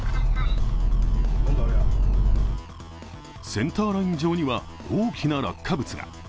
センターライン上には、大きな落下物が。